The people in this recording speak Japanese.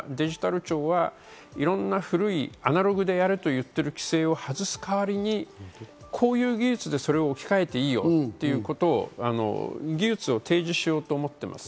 今デジタル庁はいろんな古いアナログでやれと言ってる規制を外す代わりに、こういう技術でそれを置き換えていいよっていうことを技術を提示しようと思っています。